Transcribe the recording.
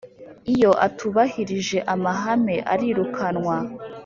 iyo atubahirije amahame arirukanwa